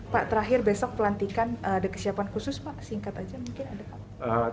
pak terakhir besok pelantikan ada kesiapan khusus pak singkat aja mungkin ada pak